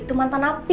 dia itu mantan api